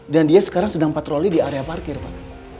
dan dia sekarang sedang patroli di area parkir pak